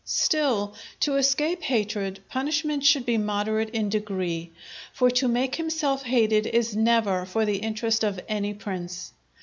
Still, to escape hatred, punishment should be moderate in degree, for to make himself hated is never for the interest of any prince.